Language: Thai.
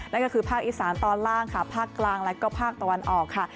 นั่นก็คือภาคอีสานตอนล่างค่ะภาคกลางแล้วก็ภาคตะวันออกค่ะ